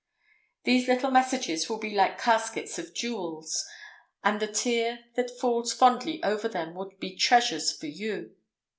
These little messages will be like caskets of jewels, and the tear that falls fondly over them will be treasures for you.